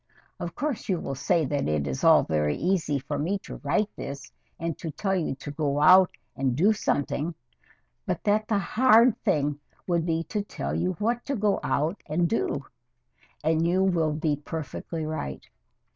Of course you will say that it is all very easy for me to write this, and to tell you to go out and do something, but that the hard thing would be to tell you what to go out and do and you will be perfectly right.